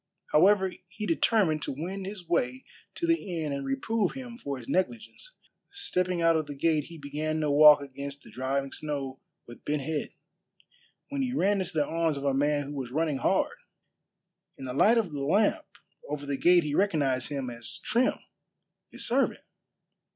However, he determined to wend his way to the inn and reprove him for his negligence. Stepping out of the gate he began to walk against the driving snow with bent head, when he ran into the arms of a man who was running hard. In the light of the lamp over the gate he recognized him as Trim, his servant.